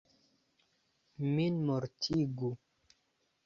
Min mortigu!